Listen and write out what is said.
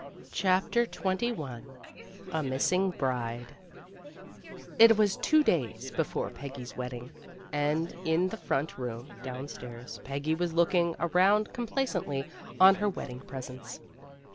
CHAPTER XXI A MISSING BRIDE IT was two days before Peggy's wedding, and in the front room downstairs Peggy was looking around complacently on her wedding presents.